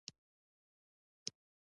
که مې له ځان سره د سیالۍ برابر وي سمه ده.